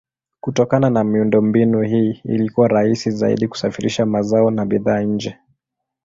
Kutokana na miundombinu hii ilikuwa rahisi zaidi kusafirisha mazao na bidhaa nje.